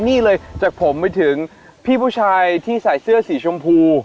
นี่เลยจากผมไปถึงพี่ผู้ชายที่ใส่เสื้อสีชมพู